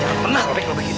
jangan pernah robek robek itu